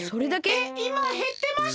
えいまへってました？